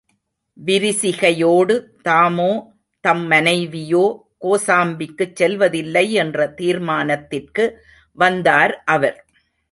விரிசிகையோடு தாமோ, தம் மனைவியோ, கோசாம்பிக்குச் செல்வதில்லை என்ற தீர்மானித்திற்கு வந்தார் அவர்.